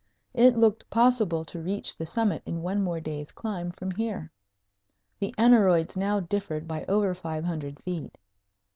It looked possible to reach the summit in one more day's climb from here. The aneroids now differed by over five hundred feet.